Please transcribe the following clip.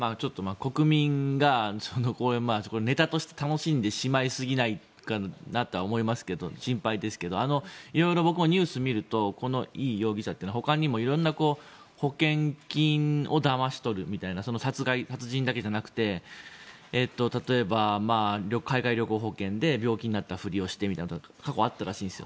国民がネタとして楽しんでしまいすぎないかなとは思いますが心配ですけど色々僕もニュース見るとこのイ容疑者というのはほかにも色んな保険金をだまし取るみたいな殺人だけじゃなくて例えば、海外旅行保険で病気になったふりをしてとか過去にあったらしいんです。